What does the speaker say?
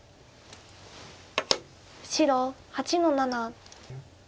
白８の七。